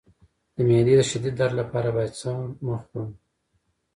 د معدې د شدید درد لپاره باید څه مه خورم؟